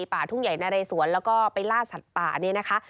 ป่าทุ่งใหญ่นะเรสวนแล้วก็ไปล่าสัตว์ป่านี้นะคะ